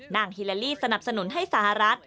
ฮิลาลีสนับสนุนให้สหรัฐ